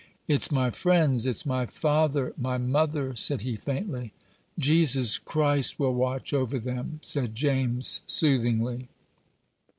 "It's my friends it's my father my mother," said he, faintly. "Jesus Christ will watch over them," said James, soothingly.